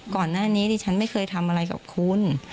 ก่อนหน้านี้ดิฉันไม่เคยทำอะไรกับคุณ